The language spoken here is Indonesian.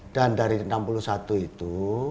dan dari enam puluh satu itu